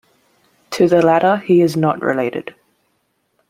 To the latter, he is not related.